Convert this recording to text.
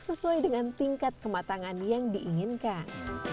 sesuai dengan tingkat kematangan yang diinginkan